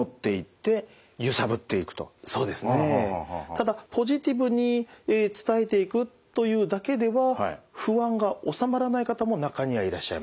ただポジティブに伝えていくというだけでは不安が収まらない方も中にはいらっしゃいます。